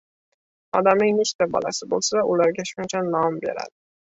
• Odamning nechta bolasi bo‘lsa, ularga shuncha nom beradi.